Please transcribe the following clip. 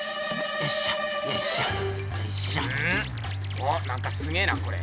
おっなんかすげえなこれ。